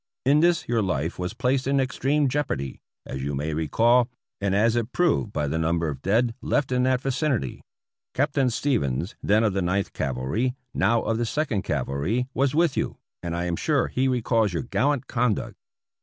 In this your life was placed in extreme jeopardy, as you may recall, and as it proved by the number of dead left in that vicinity. Captain Stevens, then of the Ninth Cavalry, now of the Second Cavalry, was with you, and I am sure he re calls your gallant conduct.